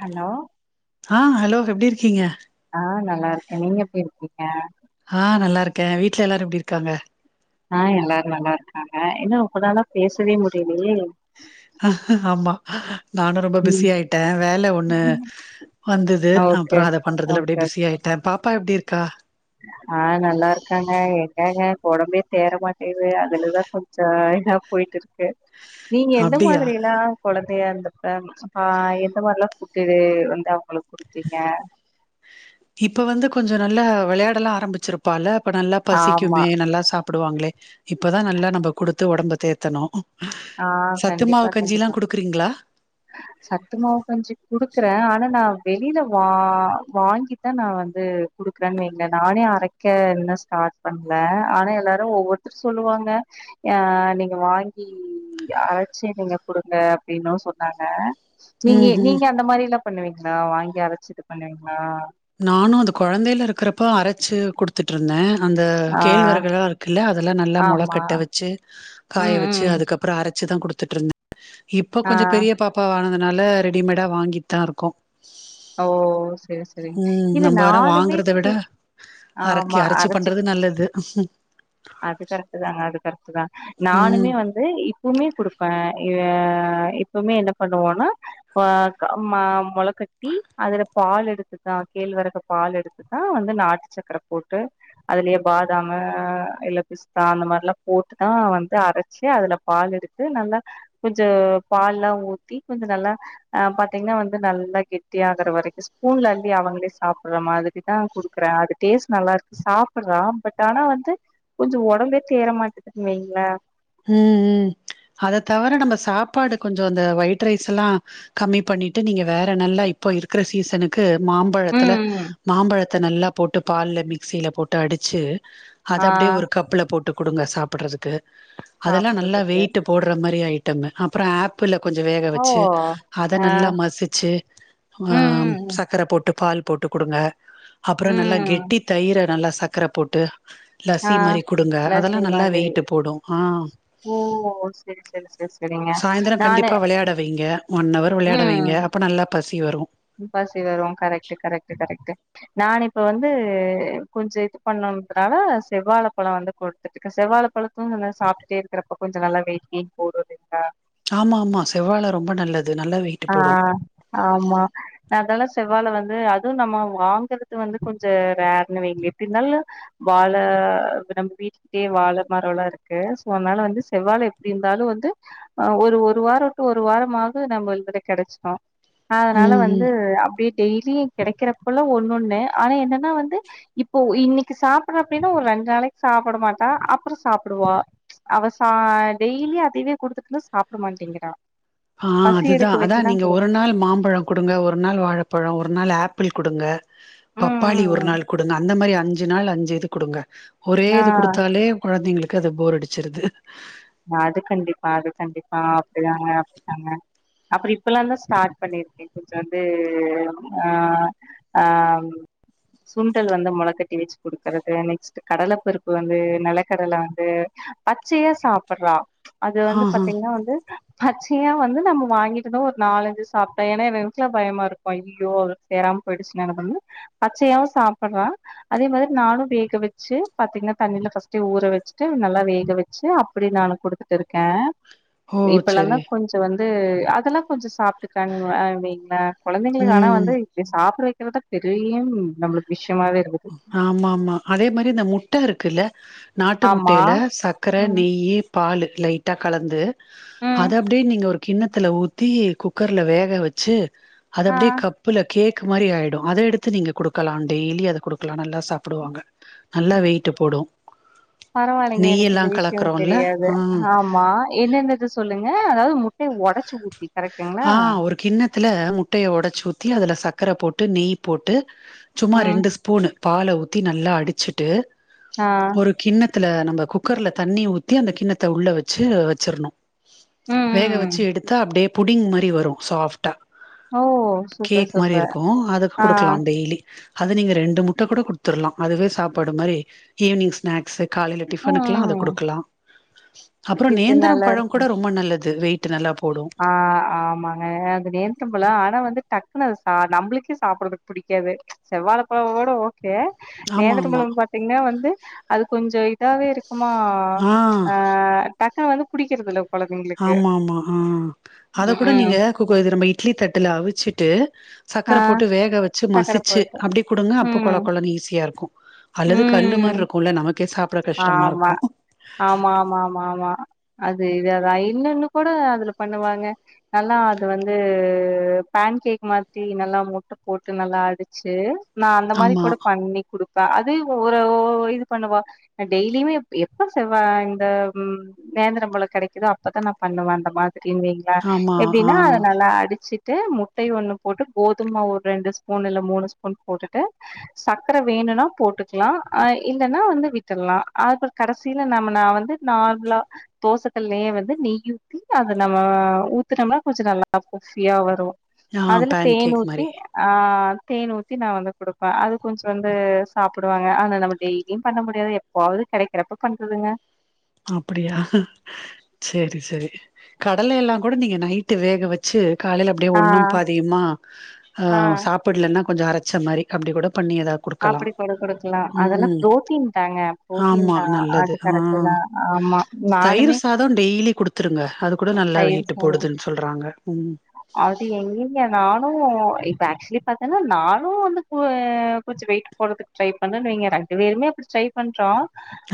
Hello ஆஹ hello எப்டி இருக் கீங்கா ஆஹ நல்லா இருக்கேன் நீங்க எப்டி இருக்கீங்க ஆஹ நல்லா இருக்கேன் வீட்டு்ல எல்லாரும் எப்டி இருக்காங்க அஹ எல்லாரும் நல்லா இருக்காங்க என்ன ஒங்கலாலா பேசவே முடியலயே அஹ் ஆமா நானும் ரொம்ப ம் பிஸி ஆயிட்டேன் வேலை ஒண்ணு வந்தது ஓகே அப்புறம் அதை பண்றதுல அப்டியே பிஸி ஆயிட்டேன் பாப்பா எப்டி இருக் கா ஆஹ நல்லா இருக்காங்க எங்கங்க உடம்பே தேர மாட்டேது அதுலதான் கொஞ்சம் இதா போயிட்டு இருக்கு நீங்க எந்த அப்டியா மாதிரினா குழந்தை அப்படியா இருந்தப்ப ஆஹ் எந்த மாதிரிலாம் ஃபுட்டு் வந்து அவங்களுக்கு குடுத்தீங்க இப்ப வந்து கொஞ்சம் நல்லா விளையாடலாம் ஆரம்பிச்சிருப்பால நல்லா ஆமா பசிக்குமே நல்லா சாப் கூப்படுவாங்களே இப்பதான் நல்லா நம்ம குடுத்து உடம்ப தேரத்தணும் ஆஹ் கண்டிப்பா கண்டிப்பா குடுக்குறீங்களா? சத்துமாவும் கஞ்சி குடுக்குறேன் ஆனா நான் வெளியில வா வாங்கி தான் நான் வந்து குடுக்குறேன்னு வைக நானே அரைக்க என்ன ஸ்டார்ட் பண்ணல ஆனா எல்லாரும் ஒவ்வொருத்தரும் சொல்லுவாங்க ஆஹ் நீங்க வாங்கி அரைச்சி நீங்க கொடுங்க அப்டினு சொன்னாங்க நீங்க ம் ம் நீங்க அந்த மாதிரில்ல பண்ணுவீங்களா வாங்கி அரைச்சு இது பண்ணுவீங்களா நானும் அது குழந்தைல இருக்கிறப்ப அரச்சி வச்சி கொடுத்துட்டு்இருந்தேன் அந்த ஆ கேழ்வரகளாம் இருக்குள்ள அதெல்லாம் நல்லா முள ஆமா கட்ட வச்சு காய ம் வச்சு ம் அதுக்கப்புறம் அரை வச்சுதான் கொடுத்துட்டு இருந்தேன் இப்போ ஆ கொஞ்சம் பெரிய பாப்பாவ ஆனது அதுனால ரெடிமேடா வாங்கிட்டு தான் இருக்கும் ஓ செரி செரி உம் நம்ம வேர வாங்கரத விட அரைக்கி அரைச்சு பண்றது நல்லது ஹம் அது கரெக்டு தாங்க அது கரெக்ட் தான் ம் நானுமே வந்து இப்பவுமே குடுப்பேன் ஆஹ் இப்பவுமே என்ன பண்ணுவோம்னா மொள கட்டி அதுல பால் எடுத்துதான் கேழ்வரகு பால் எடுத்துதான் வந்து நாட்டு சக்கரை போட்டு அதுலயே பாதாம்மு இல்ல பிஸ்தா அந்த மாதிரி எல்லாம் போட்டுதான் வந்து அரைச்சு அதுல பால் எடுத்து நல்லா கொஞ்சம் பால் எல்லாம் ஊத்தி கொஞ்சம் நல்லா அஹ் பாத்தீங்கன்னா வந்து நல்லா கெட்டிய ஆகுற வரைக்கும் ஸ்பூன்ல அள்ளி அவங்களே சாப்பிடுற மாதிரிதான் குடுக்குறேன் அது டேஸ்ட் நல்லா இருக்கு சாப்பிடுறான் பட் ஆனா வந்து கொஞ்சம் உடம்பே தேர மாட்டேங்குதுன இல்லங்களா உம் உம் அத தவிர நம்ம சாப்பாடு கொஞ்சம் அந்த ஒயிட் ரைஸ் எல்லாம் கம்மி பண்ணிட்டு நீங்க வேற நல்லா இப்போ இருக்கற சீசனுக்கு மாம்பழத்துல ம் ம் மாம்பழத் அத நல்லா போட்டு பால்ல மிக்சியில் போட்டு அடிச்சி அதை ஆ அப்படியே ஒரு கப்புல போட்டு கொடுங்க சாப்பு படுறதுக்கு அதெல்லாம் நல்லா சாப்புட்றதுக்கு வெயிட்டு போடுற மாதிரி ஆயிட்டு அப்புறம் ஆப்பிள் ல கொஞ்சம் மேக ஓ வச்ச அத ஆ நல்லமசிச்சிஆ ம் ம் சக்கர போட்டு பால் போட்டு கொடுங்க அப்புறம் நல்லா ம் ம் கெட்டி தயிர நல்லா சர்க்கரை போட்டு ஆ லசி மாரி குடுங்க அதெல்லா லஸ்ஸி நல்லா மாதிரி வெயிட்டு போடும் ஓ செரி-செரி-செரி-செரிங்க நானு விளையாடவைங்க ம் அப்ப நல்லாப் பசி வரு பசி வரு கரெக்ட்-கரெக்ட்-கரெக்ட் நான் இப்ப வந்து கொஞ்ச இது பண்ணதுனால செவ்வால பல வந்து குடுத்துட்டு இருக்கே செவ்வாலபல தூங்குங்க சாப்பிட்டுட்டே இருக்கிறப்ப கொஞ்ச நல்லா வெயிட் கெயின் போடு [unintelligible] ஆமா ஆமா செவ்வாழ ரொம்ப நல்லது நல்லா வெயிட்டு போடு ஆஹ் ஆமா நாங்கல்லா செவ்வால வந்து அது நம்ம வாங்கறது வந்து கொஞ்ச ரேர்ன்னு வைங்க எப்டினாலு வால நம்ம வீட்லியே வால மரலா இருக்கு சோ அதனால வந்து செவ்வால எப்டி இருந்தாலு வந்து ஹ ஒரு-ஒரு வாரம் டு ஒரு வாரமாக நம்ம கெடைச்சுரோ அதனால ம் வந்து ம் அப்டி டெய்லி கிடைக்கறப்போலா ஒண்ணு ஒண்ணு ஆனா என்னன்னா வந்து இப்போ இன்னிக்கு சாப்பிட அப்டின்னா ஒரு ரெண்டு நாளைக்கு சாப்பிட மாட்டா அப்புற சாப்பிடுவா அவ சா டெய்லி அதையவே குடுத்துடுருந்த சாப்பிட மாட்டேங்கிறா ஆஹ் பசி எடுக்க அதுதான் அதான் நீங்க வச்சுதா ஒரு நாள் மாம்பழ கொடுங்க ஒரு நாள் வாழைப்பழ ஒரு நாள் ஆப்பிள் கொடுங்க ம் பப்பாளி ஒரு ம் நாள் கொடுங்க அந்த மாரி அஞ் அஞ்சி நாள் அஞ்சி இது கொடுங்க ஒரே ம் ஆ இது குடுத்தாலே குழந்தைங்களுக் கத போர் அடிச்சிருது [unintelligible] அப்புற இப்பல்லாதா ஸ்டார்ட் பண்ணிருக்கே கொஞ்ச வந்து ஆஹ் ஆஹ் சுண்டல் வந்து முளக்கட்டி வச்சு குடுக்கறது நெக்ஸ்ட் கடல பருப்பு வந்து நிலக்கடல வந்து பச்சையா சாப் புறா அது வந்து ஆஹா பாத்தீங்கன்னா வந்து பச்சையா வந்து நம்ம வாங்கிட்டுதா ஒரு நாலஞ்சு சாப்ட்டே ஏன்னா எனக்குல பயமா இருக்கோ ஐயோ சேராம போயிடுச்சு என்ன பண்றது பச்சையாவு சாப்பிட்றா அதே மாதிரி நானு வேக வச்சி பாத்தீங்கன்னா தண்ணியில ஃபர்ஸ்ட் ஊற வச்சிட்டு நல்லா வேக வச்சி அப்டி நானு குடுத்துட்டுருக்கே ஓ இப்பெல்லா தா செரி கொஞ்ச வந்து து அதெல்லா கொஞ்ச சாப் [unintelligible] குழந்தைங்களு ஆனா ம் வந்து இப்டி சாப்பிடு [unintelligible] தெரியும் நம்முளுக்கு விஷ் ஆமா-ஆமா அதே மாரி இந்த முட்டை இருக் குல்ல நாட்டு ஆமா முட்டையில சர்க்கரை ம் நெய் பால் லைட்டா கலந்து ம் அது அப்டே நீங்க ஒரு கிண்ணத்தில ஊத்தி குக்கர்ல வேக வச்சு அது ஆ அப்டியே கப்புல கேக் மாரி ஆயிடும் அத எடுத்து நீங்க கொடுக்கலாம் டெய்லி அத குடு பக்களானல்ல சாப்பிடுவாங்க நல்லா வெய்ட்டு போடும் பரவாயில்லங்க எனக்கு நெய்யெல்லா எந்த விஷயம் கலக்குறோம்ல தெரியாது ஆ ஆமா என்னென்னத சொல்லுங்க ஏ அதாவது மு ஆஹ் ஒரு கிண்ணத்துல முட்டய ஒடச்சு ஊத் ஊத்தி அதில் சக்கர போட்டு நெய் போட்டு சும்மா ம். ரெண்டு ஸ்பூனு பால ஊத்தி நல்லா அடிச்சுட்டு ஆ. ஒரு கிண்ண த்துல நம்ப குக்கர்ல தண்ணி ஊத்தி அந்த கிண்ணத்த உள்ள வச்சு வச்சிரணும் ம், வேக ம். வச்சு எடுத்து [unintelligible] அப்டியே புடிங் மாரி வரும் சாஃப்டா ஓ! சூப்பர், கேக் மாரி சூப்பர். இருக்கும் அதுக்கு ஆ. குடுக்கலாம் டெய்லி அது நீங்க ரெண்டு முட்ட கூட கொடுத்துருலாம் அதுவே சாப்பாடு மாரி ஈவினிங் ஸ்நாக்ஸ் காலையில ம், டிஃபனுக்கெலாம் அத ம். குடுக்கலாம் [inaudible] அப்பறம் இது நேந்தரம் பழம் கூட ரொம்ப நல்லது வெயிட் இது நல்லா போடு ஆஹ் ஆமாங்க அது நேந்த்த பழம் ஆனா வந்துட ஆன நம்மளுக்கே சாப்பிடறதுக்கு புடிக்காது ச் செவ்வால பழோட ஓ ஆமா நேந்திர ஆமா பழம் பாத்தீங்கன்னா வந்து அது கொஞ்ச இத தா வே இருக்கு உமா ஆ அஹ டக்னு வந்து புடிக்கிறதுதில ஆமா ஆமா ஆ ஆ அத ம், கூட ம். நீங்க நம்ம இட்லி தட்டுல அவிச்சுட்டு ஆ சக்கர போட்டு வேக வச்சு சக்கர மசிச்சு போட்டு. அப்டி குடுங்க அப்ப ம். கொழ கொழன்னு ஈஸியா இருக்கும் அல்லது கல்லு மாரி ம். இருக்கும் நமக்கு ஆமா ஆமா ஆமா ஆமா ஆமா அது இது அதான் இல்லன்னு கூட அதுல பண்ணுவாங்க நல்லா அது வந்து பேன் கேக் மாத்தி நல்லா முட்ட போட்டு நல்லா அடிச்சு நான் அந்த மாரி ஆமா கூட பண்ணி குடுப் அது ஒரு இது பண்ணுவா டெய்லியுமே எப்ப செவ்வா இந்த நேந்திரம் பழம் கிடைக்குதோ அப்பதான் நான் பண்ணுவேன் அந்த மாதிரி ங்களா ஆமா எப்டின்னா ஆ அதான் நல்லா அடிச்சு முட்டை ஒண்ணு போட்டு கோதுமை ஒரு ரெண்டு ஸ்பூன் இல்ல மூணு ஸ்பூன் போட்டுட்டு சக்கரை வேணும்னா போட்டுக்கலாம் இல்லைன்னா வந்து விட் விட்ரலாம் அப்ற கடைசியில நம்ம நான் வந்து நார்மலா தோசைக்கல்லயே வந்து நெய் ஊத்தி அதை நம்ம ஊத்தினோம்னா கொஞ்சம் நல்லா குஃபியா வரும் ஆ அதுல பேன் தேன் கேக் ஊத்தி மாரி ஆஹ் தேன் ஊத்தி நான் வந்து கொடுப்பேன் அது கொஞ்சம் வந்து சாப்பிடுவாங்க அத நம்ம டெய்லியும் பண்ண முடியாது போவது கேடைக்கிறப்ப பண்றதுங்க அப்டியா செரி செரி கடல எல்லாம் கூட நீங்க நைட்டு வேக வச்சு காலயில அப்டியே ஆ ஒன்னும் பாதியுமா ஆ சாப்படலன்னா கொஞ்சம் அரச்ச மாதரி அப்டி கூட பண்ணி ஏதாவது குடுக்கலா அப்படி கொட கொடுக்கலாம் அதெல்லாம் ம் பு்ரோட்டீன் தாங்க பு்ரோட்டீன் ஆமா தான் நல்லது அது ஆ கரெக்ட தான் தயிர் சாதம் டெய்லி குடுத்துருங்க அது கூட நல்லா தயிர் வெயிட்டு சாத போடுதுன்னு சொல்றாங்க உம் அது எங்கங்க நானு இப்ப ஆக்சுவலி பாத்தீன்னா நானும் வந்து கொஞ்சம் வெயிட் போறதுக்கு ட்ரை பண்ணுனேனு வைங்க ஏற்கனமே ட்ரை பண்றோம்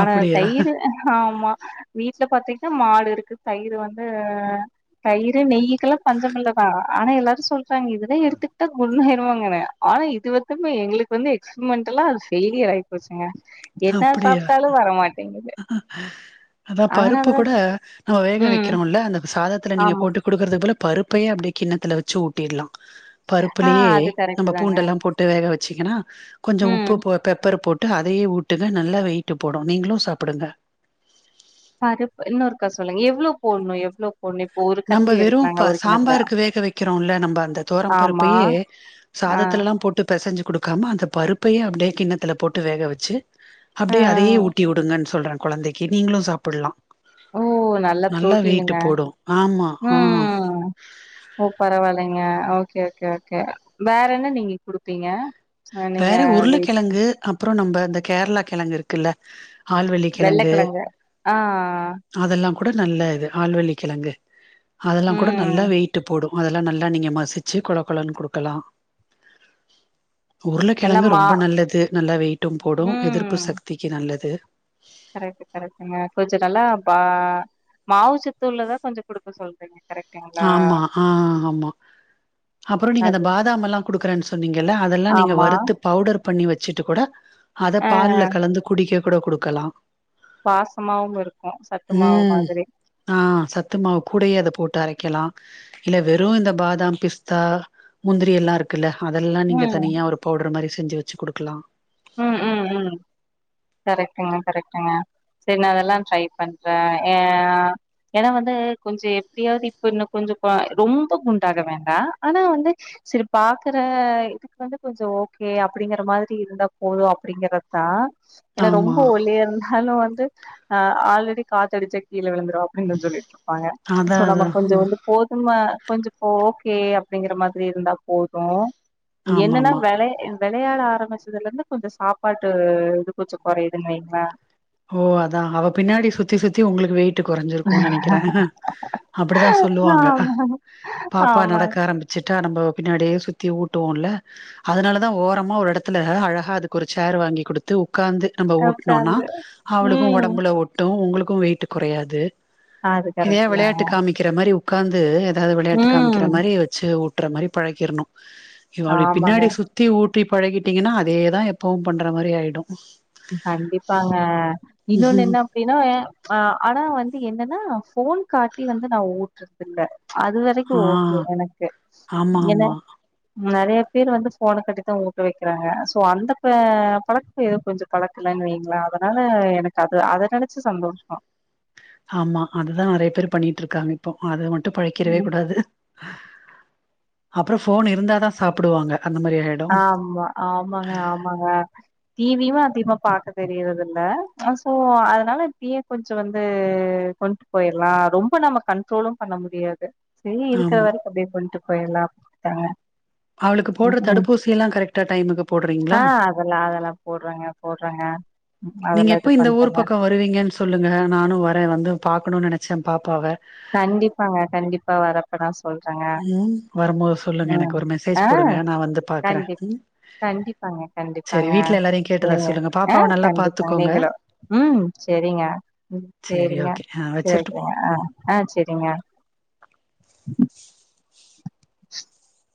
ஆனா அப்படியா தயிர் ஆ ஆமா வீட்டுல பாார்த்தீங்க மாடு இருக்கு தயிர் வந்து தயிர் நெய்யுக்குல்லாம் பஞ்சம் இல்லதா ஆனா எல்லாரும் [unintelligible] வாங்க ஆனா இது வந்தம எங்களுக்கு ப்ப வந்து எக்ஸ்பெரிமெண்டல்லாம் அது பெயிளியர் ஆகி போச்சுங்க எத சாப்ட்டாலும் வர மாட்டிங்கு உம்ஹ்ம் அதான் பருப்பு கூட நம்ம வேக ம் வைக்கிறோம்ல அந்த சாதத் த்துல நீங்க ஆமா போட்டு கொடுக்கறது அதுல பருப்பையே அப்டியே கிண்ணத்தில வச்சு ஊட்டிட ஆ பருப்புலயே அது கரெக்ட் நம்ம தாங்க பூண்டெல்லாம் போட்டு வேக வச் ச்சுங்கனா கொஞ்சம் ம் உப்பு போ பெப்பர் போட் அதையே ஊடுங்க நல்லா வெயிட்டு போடும் நீங்களும் சாப்படுங்க பருப்பு இன்னொருக்கா சொல்லுங்க எவ்வளோ போடணும் எவ்வளவு நம்ம வெறும் சாம்பாருக்கு வேக வைக்கிறோம்ல்ல நம்ம அந்த தோரம் ஆமா பருப்பையே ஆ சாதத்துல எல்லாம் போட்டு பசைஞ்சு கொடுக்காம அந்த பருப்பையே அப்படியே கிண்ணத்தில் போட்டு வேக வச்சு ஆ அப்டியே அதையே ஊட்டி விடுங்கன்னு சொல்றே குழந்தைக்கு நீங்களும் சாப்பிடலாம் ஓ நல்ல பு்ரோட்டீனுங்க ஆமா உம் ஆ உம் ஓ பரவாயில்லைங்க ஓகே ஓகே ஓகே வேற என்ன நீங்க குடுப்பீங்க அ நீங்க வேற வெயிட் உருலகிழங்கு அப்புறம் நம்ம இந்த கேரளா கிழங்கு இருக்குல ஆல்வள்ளி கிழங்கு வெள்ளக்கெழங்கு ஆ அதெல்லாம் கூட நல்லா இது ஆழ்வள்ளி கிழங்கு அதெல்லாம் கூட ம் நல்லா வெயிட்டு போடும் அதெ நல்லா நீங்க மசிச்சு குள குளன்னு கொடுக்கலாம் நல்லா உருளைக்கிழங்கு மா ரொம்ப நல்லது நல்லா வெயிட்டும் போடும் எதிர்ப்பு ம் சக்திக்கு நல்லது கரெக்ட் கரெக்டுங்க கொஞ்சம் நல்லா பா மாவு சத்துல்லதா கொஞ்சம் கொடுக்க சொல்றீங்க கரெக்ட்டுங்களா ஆமா ஆஹ் ஆமா அப்புறம் நீங்க அந்த அது பாதாம் எல்லாம் குடுக்குறேன்னு சொ அதெல்லாம் நீங்க ஆமா வறுத்து பவுடர் பண்ணி வச்சு ச்சிட்டு கூட அத ஆ பால்ல கலந்து குடிக்க கூட கொடுக்கலாம் பாசமாவும் இருக்கு சத்து மாவு உம் மாதிரி ஆஹ் சத்துமாவு கூடயே அதை போட்டு அரைக்கலாம் இல்ல வெறும் இந்த பாதாம் பிஸ்தா முந்திரி எல்லாம் இருக்குல்ல அதெல்லாம் ம் நீங்க தனியாக ஒரு பவுடர் மாதிரி செஞ்சு வச்சு கொடுக்கலாம் உம் உ உ கரெக்டங்க கரெக்டுங்க சரி நான் அதெல்லாம் ட்ரை பண்றேன் ஆஹ் ஏன்னா வந்து கொஞ்சம் எப்படியாவது இப்ப இன்னும் கொஞ்சம் ரொம்ப குண்டாக வேண்டாம் ஆனா வந்து சரி பாக்குற இதுக்கு வந்து கொஞ்சம் ஓகே அப்படிங்கற மாதிரி இருந்தா போதும் அப்படிங்கறதான் ஏன்னா ஆமா ரொம்ப ஒலியே இருந்தாலும் வந்து ஆஹ ஆல்ரெடி காத்த அடிச்ச கீழ விழுந்துரும் அப்படின்னு சொல்லிருோம் ப்பங்க அதா சோ நம்ம அதா கொஞ்சம் வந்து போதுமா கொஞ்சம்ப்ப ஓகே அப்படிங்கற மாதிரி இருந்தா போதும் ஆமா என்னன்னா ஆமா வேளை விளையாழ ஆரம்பிதலந்து கொஞ்சம் சாப்பாட்டு இது கொச்சம் குறுதுன்னு வைுங்க ஓ அதான் அவ பின்னாடி சுத்தி சுத்தி உங்களுக்கு வெய்டு குறைஞ்சிருக்கும்னு நினைக்கிறேன் அப்படிதான் சொல்லுவாங்க ஆமாங்க பாப்பா நடக்க ஆமாங்க ஆரம்பிச்சுட்டா நம்ம பின்னாடியே த்தி ஊட்டுவோம்ல அதனால தான் ஓரமா ஒரு இடத்துல அழகா அதுக்கு ஒரு சேர் வாங்கி கொடுத்து உட்காந்து நம்ம ஊட்டினோம்னா உக்காந்து அவளுக்கும் ம் உடம்புல ஒட்டும் உங்களுக்கும் வெயிட் குறையாது அது இதையா கரெக்ட் தா விளையாட்டு காமிக்கிற மாரி உ உட்காந்து எ அதாவது விளையாட்டு காமிக்கிற ம் மாரி வச்சு வுட் வுற்ற மாரி பழக்கிடணும் அய்யோ அப் ஆமாங்க பின்னாடி சுத்தி ஊட் இப்டி பழகிட்டீங்கன்னா அதேதான் எப்வும் பண்ற மாரி ஆயிடும் அ கண்டிப் ப்பாங்க இன்னொன்னு என்ன அப்டின்னாஹ ஆனா வந்து என்ன ன் ந போன் காட்டி வந்து நான் ஊட்டுறதுல அது ஆ வரைக்கும் ஓகே எனக்கு ஆமா ம் என்ன ஆமா நெறைய பேர் வந்து போஃபனை கட்டி தான் ஊட்டு வைக்கிறாங்க சோ அந்த பா எத படத்து கொஞ்சம் பழக்கலன்னனு வைங்களா அதனால எனக்கு அது அத நினைச்சு சந்தோஷம் ஆமா அதுதான் நெறைய பேர் பண்ணிட்டு இருக்காங்க இப்போ அது மட் மட்டு பழைக்கிறவே கூடாது அப்பறம் போன் இருந்தாதான் சாப்படுவாங்க ஆமா ஆமாங்க ஆமாங்க டிவியும் அ சத்திம பார்க்க தெரியத இல்ல சோ அதனால திய கொஞ்சம் வந்து கொண்டு போயிடலாம் ரொம்ப நம்ம கண்ட்ரோலும் பண்ண முடியாது செரி இருக்கிற ஆமா வரைக்கு அப்டியே கெண்ட்டு பே போய் எல்லாட்டாங்க அவளுக்கு போடுற தடுப்பூசி எல்லாம் கரெக்டா டைமுக்கு போடுறீங்களா போறேங்க நீங்க எப்போ இந்த ஊர் பக்கம் வருவீங்கன்னு சொல்லுங்க நானும் வரன் வந்து பாக்கணும்னு நினைச் ச்சம் பாப்பாவ கண்டிப்பாங்க கண்டிப்பா வரப்பா நசெ சொல்றங்க ம் வரும்போது சொல்லுங்க ம் எனக்கு ஒரு மெசேஜ் ஆ போடுங்க நா வந்து பாக்குறே கண்டிப் கண்டிப்பாங்க சரி கண்டிப்பாங்க வீட்ல எல்லாரையு கேட்டதா செரிங்க சொல்லுங்க ஆ பாப்பாவ நல்லா கண்டிப்பாங்க பாத்துக்கோங்க நீங்களும் ம் செரிங்க ம் சரி செரிங்க ஓகே ஆ செரி வச்சிரட்டுமா வக்கறங்க ஆ செரிங்க [unintelligible]